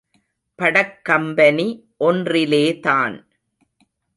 படக் company ஒன்றிலே தான்.